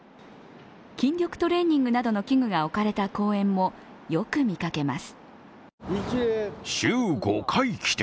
筋力トレーニングなどの器具が置かれた公園もよく見かけます。